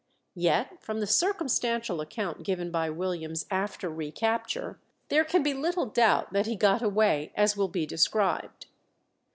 Yet from the circumstantial account given by Williams after recapture, there can be little doubt that he got away as will be described.